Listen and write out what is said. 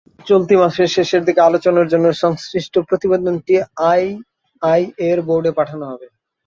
চলতি মাসের শেষের দিকে আলোচনার জন্য সংশ্লিষ্ট প্রতিবেদনটি আইএইএর বোর্ডে পাঠানো হবে।